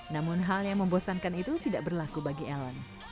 namun hal yang membosankan itu tidak berlaku bagi ellen